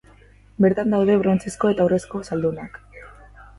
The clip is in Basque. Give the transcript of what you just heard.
Bertan daude brontzezko eta urrezko zaldunak.